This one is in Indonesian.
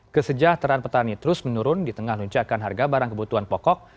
kesejahteraan petani terus menurun di tengah luncakan harga barang kebutuhan pokok